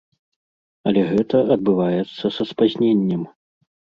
Але гэта адбываецца са спазненнем.